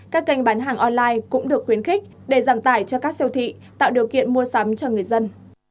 các kênh bán hàng online cũng được khuyến khích để giảm tải cho các siêu thị tạo điều kiện mua sắm cho người dân